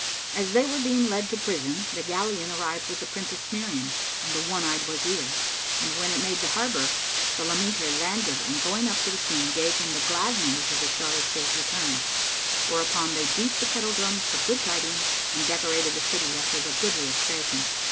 As they were being led to prison the galleon[FN#512] arrived with the Princess Miriam and the one eyed Wazir, and when it made the harbour, the lameter landed and going up to the King gave him the glad news of his daughter's safe return: whereupon they beat the kettledrums for good tidings and decorated the city after the goodliest fashion.